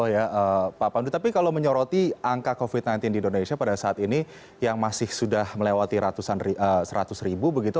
ya pak pandu tapi kalau menyoroti angka covid sembilan belas di indonesia pada saat ini yang masih sudah melewati seratus ribu begitu